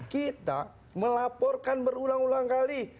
kita melaporkan berulang ulang kali